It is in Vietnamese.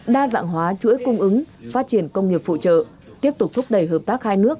đa dạng hóa chuỗi cung ứng phát triển công nghiệp phụ trợ tiếp tục thúc đẩy hợp tác hai nước